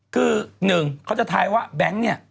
คือหนึ่งเขาจะท้ายว่าแบงค์เนี่ย